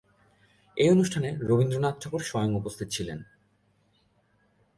এই অনুষ্ঠানে রবীন্দ্রনাথ ঠাকুর স্বয়ং উপস্থিত ছিলেন।